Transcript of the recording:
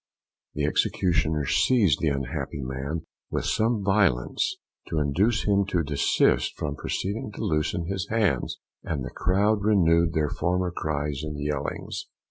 The executioner seized the unhappy man with some violence, to induce him to desist from proceeding to loosen his hands, and the crowd renewed their former cries and yellings.